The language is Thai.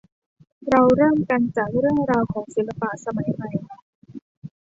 เราเริ่มกันจากเรื่องราวของศิลปะสมัยใหม่